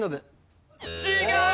違う！